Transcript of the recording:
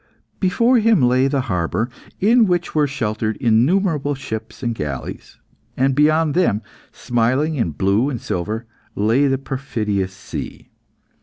Before him lay the harbour, in which were sheltered innumerable ships and galleys, and beyond them, smiling in blue and silver, lay the perfidious sea.